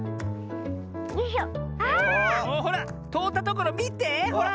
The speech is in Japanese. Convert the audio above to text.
ほらとおったところみてほら。